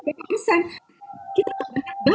kita tidak tahu